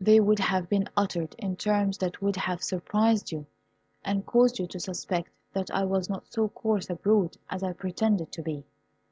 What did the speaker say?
They would have been uttered in terms that would have surprised you, and caused you to suspect that I was not so coarse a brute as I pretended to be.